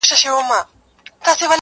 • چي یوه ورځ په حادثه کي مرمه -